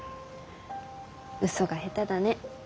ウソが下手だね。